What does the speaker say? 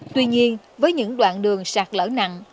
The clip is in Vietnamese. tuy nhiên với những đoạn đường sạt lỡ nặng